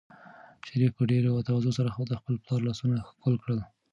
شریف په ډېرې تواضع سره د خپل پلار لاسونه ښکل کړل.